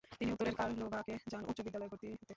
তিনি উত্তরের কারলোভাকে যান উচ্চ বিদ্যালয়ে ভর্তি হতে।